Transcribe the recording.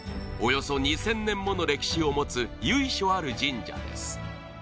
およそ２０００年もの歴史を持つ由緒ある神社です